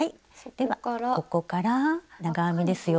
ではここから長編みですよ。